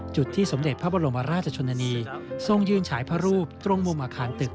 จุดที่สมเด็จพระบรมราชชนนานีทรงยืนฉายพระรูปตรงมุมอาคารตึก